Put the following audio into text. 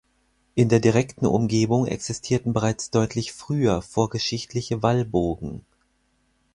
In der direkten Umgebung existierten bereits deutlich früher vorgeschichtliche Wallburgen.